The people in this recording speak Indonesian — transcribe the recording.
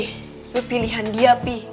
itu pilihan dia pi